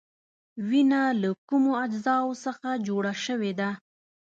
وینه له کومو اجزاوو څخه جوړه شوې ده؟